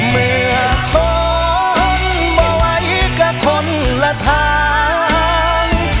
เมื่อท้องบ่ไว้กับคนละทาง